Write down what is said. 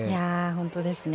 本当ですね。